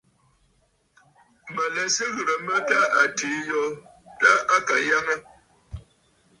Mǝ̀ lɛ Sɨ ghirǝ mǝ tâ atiî yo tâ à Kanyaŋǝ.